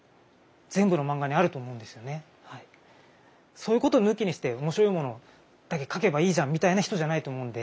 そういうことを抜きにして面白いものだけ描けばいいじゃんみたいな人じゃないと思うんで。